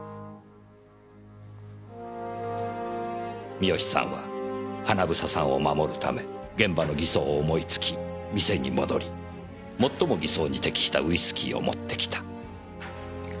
三好さんは英さんを守るため現場の偽装を思いつき店に戻り最も偽装に適したウイスキーを持ってきた。